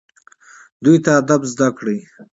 دوی ته ادب زده کړئ